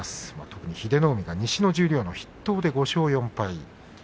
特に英乃海が西の十両の筆頭で５勝４敗。